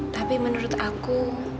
tapi menurut aku